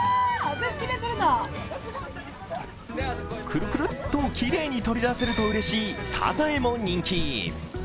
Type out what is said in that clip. クルクルッときれいに取り出せるとうれしいサザエも人気。